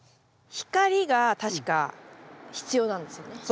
光が確か必要なんですよね？